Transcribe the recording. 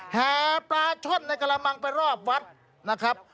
แห่ปลาช่อนในกระมังไปรอบวัดนะครับ